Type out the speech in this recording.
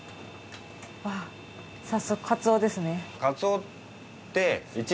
わぁ早速カツオですね。